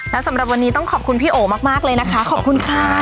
และสำหรับวันนี้ต้องขอบคุณพี่โอมากเลยนะคะขอบคุณค่ะ